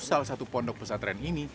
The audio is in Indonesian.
salah satu pondok pesantren ini